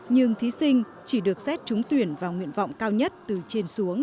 nhưng thí sinh chỉ được xét trúng tuyển vào nguyện vọng cao nhất từ trên xuống